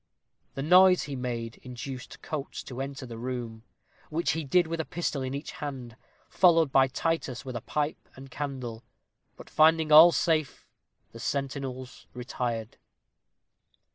The noise he made induced Coates to enter the room, which he did with a pistol in each hand, followed by Titus with a pipe and candle; but finding all safe the sentinels retired.